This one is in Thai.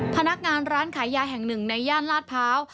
พนักงานร้านขายยาแห่งหนึ่งในย่านลาดพร้าว